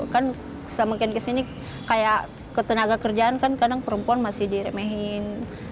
kan semakin kesini kayak ketenaga kerjaan kan kadang perempuan masih diremehin